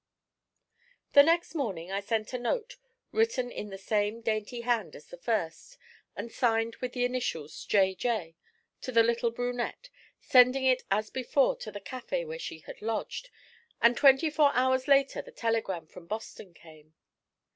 The next morning I sent a note, written in the same dainty hand as the first, and signed with the initials J. J., to the little brunette, sending it as before to the café where she had lodged, and twenty four hours later the telegram from Boston came.